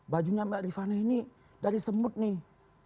bajunya mbak rifana ini dari semut nih